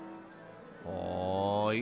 はい。